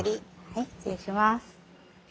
はい失礼します。